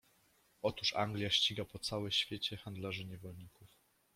Otóż Anglia ściga po cały świecie handlarzy niewolników.